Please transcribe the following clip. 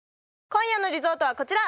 今夜のリゾートはこちら！